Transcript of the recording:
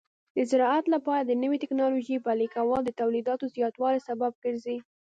د زراعت لپاره د نوې ټکنالوژۍ پلي کول د تولیداتو زیاتوالي سبب ګرځي.